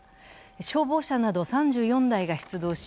消防車など３４台が出動し、